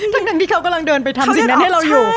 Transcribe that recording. ทั้งที่เขากำลังเดินไปทำสิ่งนั้นให้เราอยู่